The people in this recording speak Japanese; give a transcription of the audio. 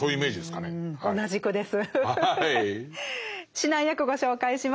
指南役ご紹介します。